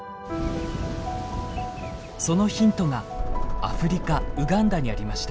そのヒントがアフリカウガンダにありました。